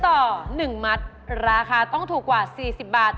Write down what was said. ต่อ๑มัดราคาต้องถูกกว่า๔๐บาท